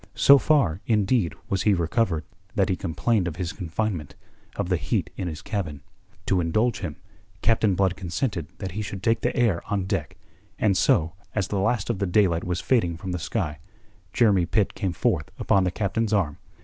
So far, indeed, was he recovered that he complained of his confinement, of the heat in his cabin. To indulge him Captain Blood consented that he should take the air on deck, and so, as the last of the daylight was fading from the sky, Jeremy Pitt came forth upon the Captain's arm.